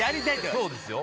そうですよ。